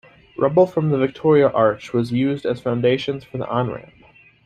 Rubble from the Victoria arch was used as foundations for the on-ramp.